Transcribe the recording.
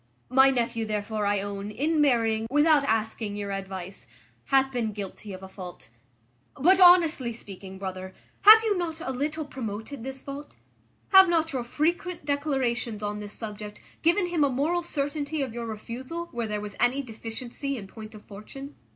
My nephew, therefore, I own, in marrying, without asking your advice, hath been guilty of a fault. But, honestly speaking, brother, have you not a little promoted this fault? Have not your frequent declarations on this subject given him a moral certainty of your refusal, where there was any deficiency in point of fortune?